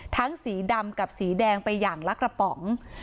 สีดำกับสีแดงไปอย่างละกระป๋อง